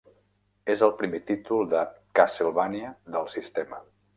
És el primer títol de "Castlevania" del sistema.